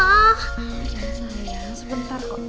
sayang sayang sebentar kok